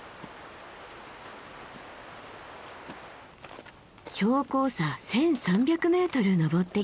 標高差１，３００ｍ登ってきた。